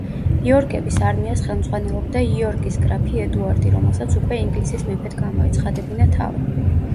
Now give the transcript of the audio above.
იორკების არმიას ხელმძღვანელობდა იორკის გრაფი ედუარდი, რომელსაც უკვე ინგლისის მეფედ გამოეცხადებინა თავი.